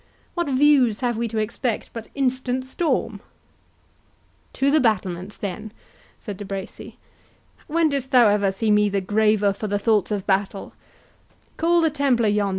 What views have we to expect but instant storm?" "To the battlements then," said De Bracy; "when didst thou ever see me the graver for the thoughts of battle?